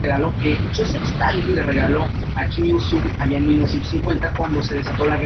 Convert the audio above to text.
El ciclo fue ganador de un premio Emmy.